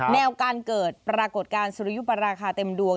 แนวการเกิดปรากฏการณ์สุริยุปราคาเต็มดวง